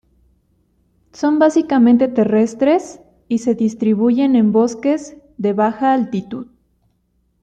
Son básicamente terrestres y se distribuyen en bosques de baja altitud.